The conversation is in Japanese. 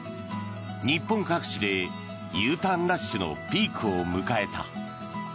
日本各地でＵターンラッシュのピークを迎えた。